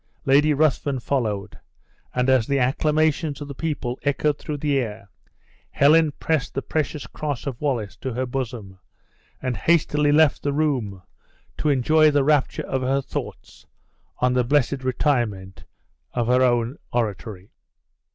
Lady Ruthven followed, and as the acclamations of the people echoed through the air, Helen pressed the precious cross of Wallace to her bosom and hastily left the room to enjoy the rapture of her thoughts in the blessed retirement of her own oratory.